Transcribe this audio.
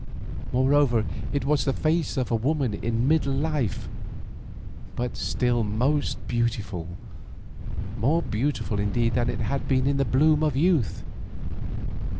Moreover it was the face of a woman in middle life, but still most beautiful, more beautiful indeed than it had been in the bloom of youth.